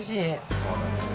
そうなんですよ。